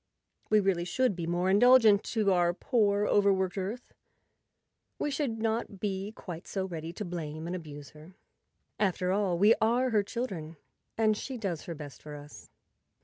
We really should be more indulgent to our poor, overworked Earth; we should not be quite so ready to blame and abuse her. After all, we are her chil¬ dren and she does her best for us.